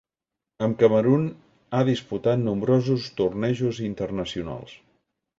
Amb Camerun ha disputat nombrosos tornejos internacionals.